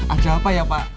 ada apa ya pak